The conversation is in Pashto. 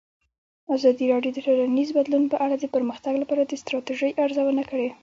ازادي راډیو د ټولنیز بدلون په اړه د پرمختګ لپاره د ستراتیژۍ ارزونه کړې.